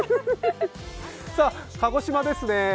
鹿児島ですね。